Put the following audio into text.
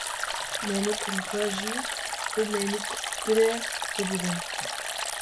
Neynûkên xwe jî bi neynûkbirê bibirin.